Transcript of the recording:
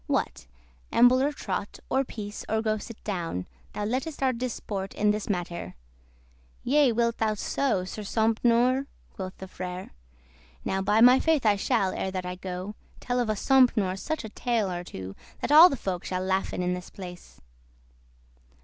* *preamble What? amble or trot; or peace, or go sit down: Thou lettest* our disport in this mattere." *hinderesst "Yea, wilt thou so, Sir Sompnour?" quoth the Frere; "Now by my faith I shall, ere that I go, Tell of a Sompnour such a tale or two, That all the folk shall laughen in this place."